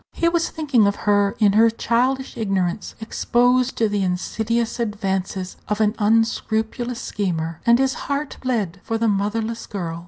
He was thinking of her in her childish ignorance, exposed to the insidious advances of an unscrupulous schemer, and his heart bled for the motherless girl.